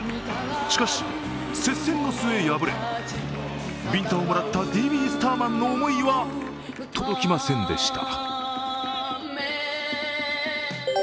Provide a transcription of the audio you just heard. しかし、接戦の末、敗れびんたをもらったＤＢ．スターマンの思いは届きませんでした。